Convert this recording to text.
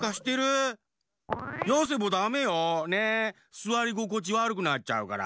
すわりごこちわるくなっちゃうから。